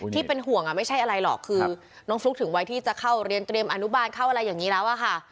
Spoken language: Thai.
ที่เป็นห่วงไม่ใช่อะไรหรอกคือน้องฟลุ๊กถึงไว้ที่จะเข้าเรียนเตรียมอนุบาลเข้าอะไรอย่างนี้แล้วอะค่ะ